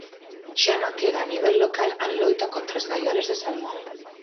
Xa non queda a nivel local a loita contra as gaiolas de salmón.